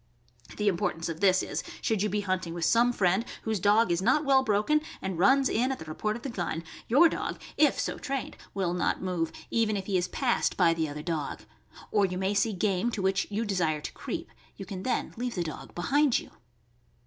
The importance of this is, should you be hunting with some friend whose dog is not well broken and runs in at the report of the gun, your dog — if so trained THE IRISH WATER SPANIEL. 295 —will not move, even if he is passed by the other dog. Or you may see game to which you desire to creep; you can then leave the dog behind you.